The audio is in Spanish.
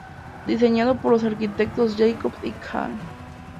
Diseñado por los arquitectos Jacobs y Kahn.